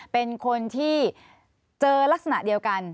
เป็นคนที่เจอลักษณะเดียวกัน